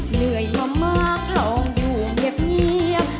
เหนื่อยมามากลองอยู่เงียบ